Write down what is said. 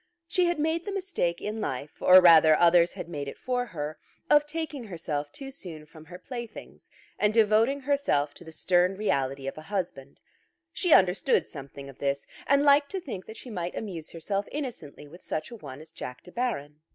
She had made the mistake in life, or rather others had made it for her, of taking herself too soon from her playthings and devoting herself to the stern reality of a husband. She understood something of this, and liked to think that she might amuse herself innocently with such a one as Jack De Baron.